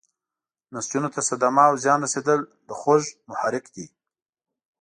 نسجونو ته صدمه او زیان رسیدل د خوږ محرک دی.